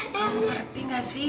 kamu ngerti gak sih